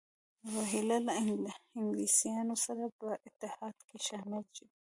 روهیله له انګلیسیانو سره په اتحاد کې شامل شي.